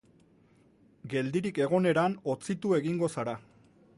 Geldirik egoneran hotzitu egingo zara.